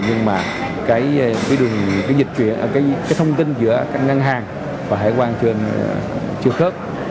nhưng mà cái thông tin giữa ngân hàng và hải quan chưa khớp